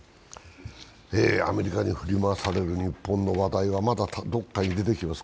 アメリカに振り回される日本の話題はまだどこかに出てきます。